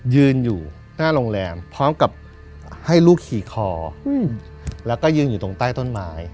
ยืนอยู่หน้าโรงแรมพร้อมกับให้ลูกขี่คอแล้วก็ยืนอยู่ตรงใต้ต้นไม้